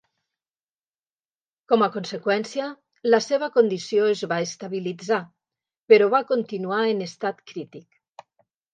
Com a conseqüència, la seva condició es va estabilitzar, però va continuar en estat crític.